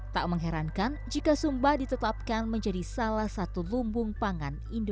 tak mengherankan jika sumba ditetapkan menjadi salah satu lumbung pangan indonesia